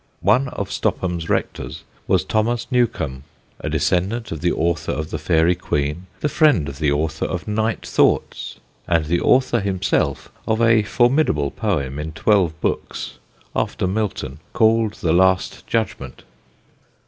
One of Stopham's rectors was Thomas Newcombe, a descendant of the author of The Faerie Queene, the friend of the author of Night Thoughts, and the author himself of a formidable poem in twelve books, after Milton, called The Last Judgment.